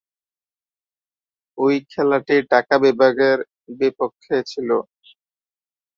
ঐ খেলাটি ঢাকা বিভাগের বিপক্ষে ছিল।